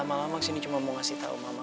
lama lama kesini cuma mau ngasih tahu mama